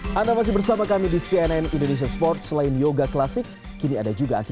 hai anda masih bersama kami di cnn indonesia sport selain yoga klasik kini ada juga anti